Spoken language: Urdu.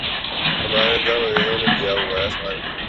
ہمارا نظام انگریزوں کا دیا ہوا ہے، آسمان سے نہیں اترا۔